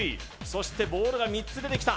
そしてボールが３つ出てきた